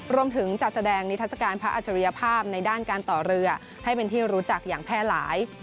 รวมถึงจัดแสดงนิทัศกาลพระอัจฉริยภาพในด้านการต่อเรือให้เป็นที่รู้จักอย่างแพร่หลาย